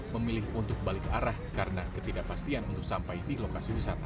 memilih untuk balik arah karena ketidakpastian untuk sampai di lokasi wisata